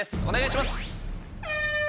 お願いします。